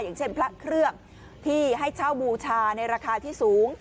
อย่างเช่นพระเครื่องที่ให้เช่าบูชาในราคาที่สูง